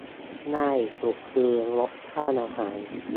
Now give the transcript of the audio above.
ง่ายสุดคือลดค่าอาหาร